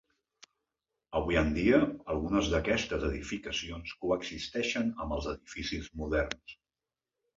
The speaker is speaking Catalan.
Avui en dia, algunes d'aquestes edificacions coexisteixen amb els edificis moderns.